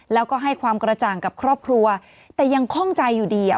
แล้วก็ให้ความกระจ่างกับครอบครัวแต่ยังคล่องใจอยู่ดีอ่ะ